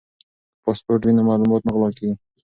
که پاسورډ وي نو معلومات نه غلا کیږي.